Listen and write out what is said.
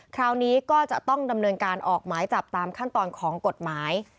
คราวนี้ก็จะต้องดำเนินการออกหมายจับตามขั้นตอนของกฎหมาย